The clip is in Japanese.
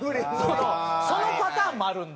そのパターンもあるんで。